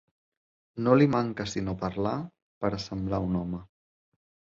No li manca sinó parlar per a semblar un home.